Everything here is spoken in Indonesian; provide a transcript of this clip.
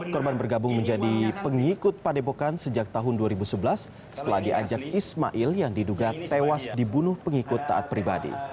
korban bergabung menjadi pengikut padepokan sejak tahun dua ribu sebelas setelah diajak ismail yang diduga tewas dibunuh pengikut taat pribadi